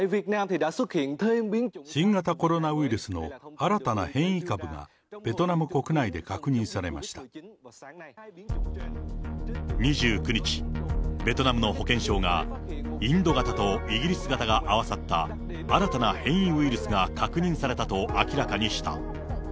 新型コロナウイルスの新たな変異株がベトナム国内で確認され２９日、ベトナムの保健省が、インド型とイギリス型が合わさった新たな変異ウイルスが確認されたと明らかにした。